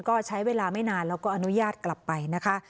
ก็ใช้เวลาไม่นานแล้วก็อนุญาตกลับไปนะคะ